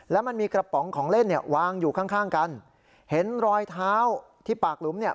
แล้วมันมีกระป๋องของเล่นเนี่ยวางอยู่ข้างข้างกันเห็นรอยเท้าที่ปากหลุมเนี่ย